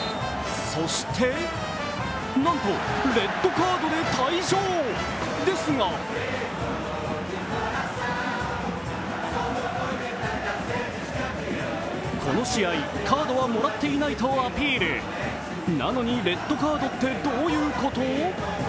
そして、なんとレッドカードで退場ですがこの試合、カードはもらっていないとアピール、なのにレッドカードってどういうこと？